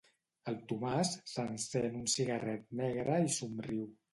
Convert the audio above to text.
El Tomàs s'encén un cigarret negre i somriu.